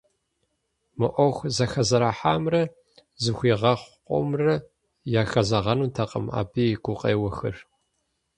Мы Ӏуэху зэхэзэрыхьамрэ зэхуигъэхъу къомымрэ яхэзэгъэнутэкъым абы и гукъеуэхэр.